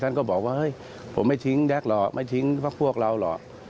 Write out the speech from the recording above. ก็บอกว่าเฮ้ยผมไม่ทิ้งแก๊กหรอกไม่ทิ้งพักพวกเราหรอก